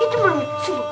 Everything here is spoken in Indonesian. itu belum sih